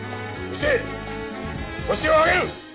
そしてホシを挙げる！